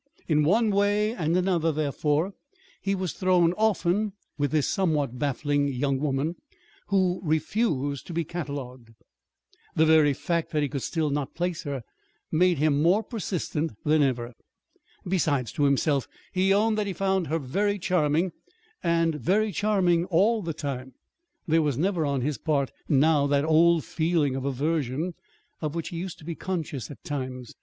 In one way and another, therefore, he was thrown often with this somewhat baffling young woman, who refused to be catalogued. The very fact that he still could not place her made him more persistent than ever. Besides, to himself he owned that he found her very charming and very charming all the time. There was never on his part now that old feeling of aversion, of which he used to be conscious at times.